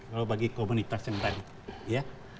kalau bagi komunitas yang tadi